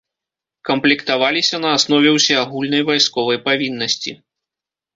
Камплектаваліся на аснове ўсеагульнай вайсковай павіннасці.